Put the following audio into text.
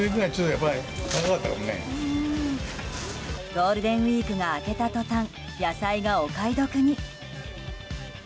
ゴールデンウィークが明けた途端、野菜がお買い得に。